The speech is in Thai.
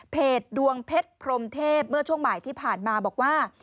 ดวงเพชรพรมเทพเมื่อช่วงบ่ายที่ผ่านมาบอกว่า